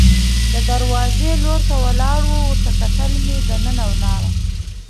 د دروازې لور ته ولاړو، ورته کتل مې چې دننه ولاړه.